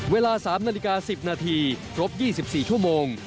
เวลา๓นาฬิกา๑๐นาทีครบ๒๔ชั่วโมง